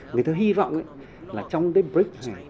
người ta hy vọng là trong cái break này